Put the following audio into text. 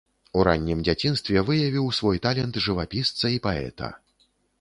У раннім дзяцінстве выявіў свой талент жывапісца і паэта.